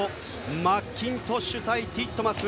マッキントッシュ対ティットマス。